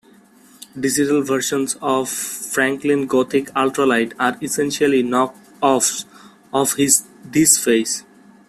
Digital versions of "Franklin Gothic Ultra-Light" are essentially knock-offs of this face.